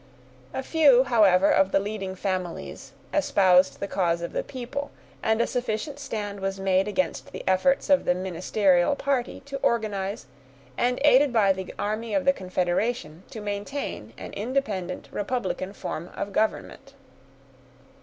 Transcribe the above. A few, however, of the leading families espoused the cause of the people; and a sufficient stand was made against the efforts of the ministerial party, to organize, and, aided by the army of the confederation, to maintain an independent republican form of government.